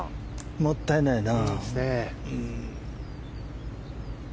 もったいないよな。